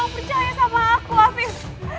percaya sama aku hafiz